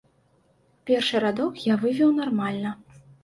Першы радок я вывеў нармальна.